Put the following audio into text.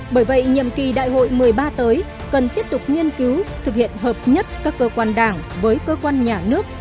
bởi vậy nhiệm kỳ đại hội một mươi ba tới cần tiếp tục nghiên cứu thực hiện hợp nhất các cơ quan đảng với cơ quan nhà nước